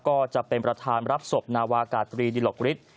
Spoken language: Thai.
ก็จะเป็นประธานรับศพนาวากาตรีดิหลกฤทธิ